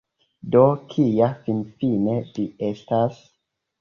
Do, kio finfine vi estas?